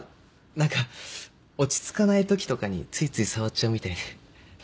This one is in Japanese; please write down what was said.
何か落ち着かない時とかについつい触っちゃうみたいで。